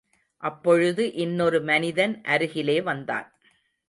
அப்பொழுது இன்னொரு மனிதன் அருகிலே வந்தான்.